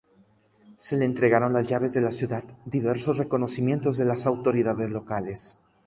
Se le entregaron las llaves de la ciudad, diversos reconocimientos de las autoridades locales.